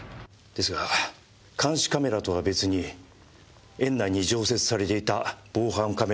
ですが監視カメラとは別に園内に常設されていた防犯カメラの映像を入手しました。